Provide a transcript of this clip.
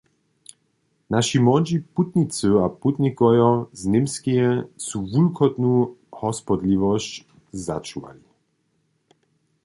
Naši młodźi putnicy a putnikojo z Němskeje zu wulkotnu hospodliwosć začuwali.